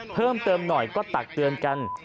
เพิ่มเติมหน่อยก็ตักเตือนกัน